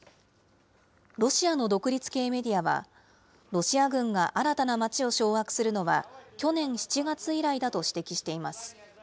ロシアの独立系メディアは、ロシア軍が新たな町を掌握するのは去年７月以来だと指摘しています。